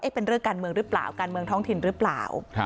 เป็นเรื่องการเมืองหรือเปล่าการเมืองท้องถิ่นหรือเปล่า